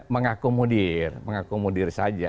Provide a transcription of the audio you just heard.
mengakomodir mengakomodir saja